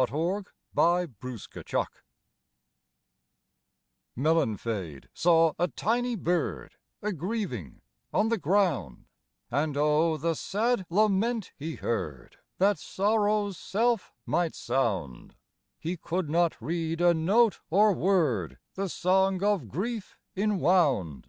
THE MONK MAELANFAID Maelanfaid saw a tiny bird A grieving on the ground, And O, the sad lament he heard, That sorrow's self might sound: He could not read a note or word The song of grief inwound.